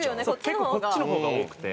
結構こっちの方が多くて。